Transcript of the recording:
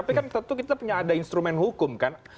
tapi kan tentu kita punya ada instrumen hukum kan